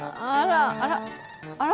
あら？